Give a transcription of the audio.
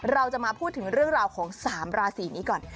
เราจะมาพูดถึงเรื่องราวของ๓ราศีนี้ก่อน